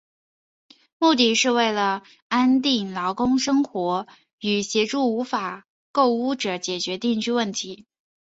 目的是为安定劳工生活与协助无法购屋者解决居住问题。